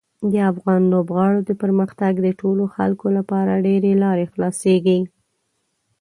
د افغان لوبغاړو د پرمختګ د ټولو خلکو لپاره ډېرې لارې خلاصیږي.